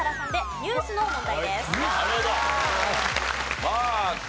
ニュースの問題。